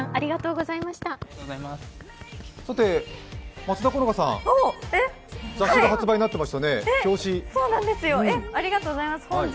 松田好花さん、雑誌が発売になってましたね。